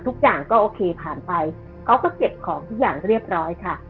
ทุกอย่างก็โอเคผ่านไปเขาก็เก็บของทุกอย่างเรียบร้อยค่ะ